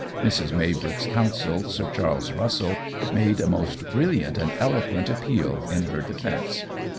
Mrs. Maybrick's counsel, Sir Charles Russell, made a most brilliant and eloquent appeal in her defence.